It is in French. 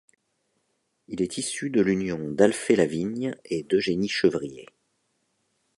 Il est issu de l'union d'Alphée Lavigne et d'Eugénie Chevrier.